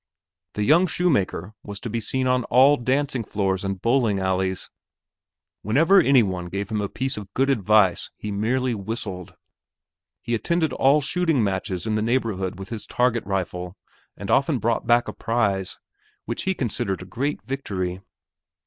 The young shoemaker was to be seen on all dancing floors and bowling alleys. Whenever any one gave him a piece of good advice he merely whistled. He attended all shooting matches in the neighborhood with his target rifle and often brought back a prize, which he considered a great victory.